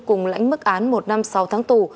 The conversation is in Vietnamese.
cùng lãnh mức án một năm sau tháng tù